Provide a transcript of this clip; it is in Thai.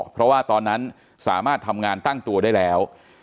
เพราะว่าตอนนั้นสามารถทำงานตั้งตัวได้แล้ว